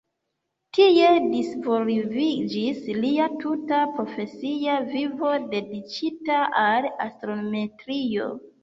Tie disvolviĝis lia tuta profesia vivo dediĉita al astrometrio.